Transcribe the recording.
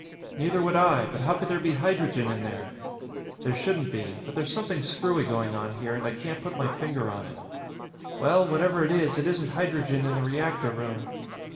"Neither would I, but how could there be hydrogen in there?" "There shouldn't be. But there's something screwy going on here, and I can't put my finger on it." "Well, whatever it is, it isn't hydrogen in the reactor room."